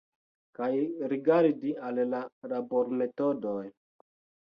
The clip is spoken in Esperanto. Kaj rigardi al la labormetodoj.